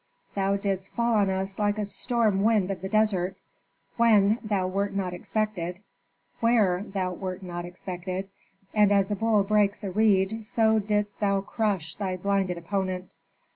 Thou didst fall on us like a storm wind of the desert, when thou wert not expected, where thou wert not expected, and as a bull breaks a reed so didst thou crush thy blinded opponent.